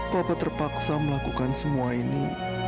papa terpaksa melakukan semua ini